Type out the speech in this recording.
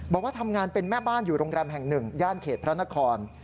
บอกว่าทำงานเป็นแม่บ้านอยู่โรงแรมแห่งหนึ่งย่านเขตพระนคร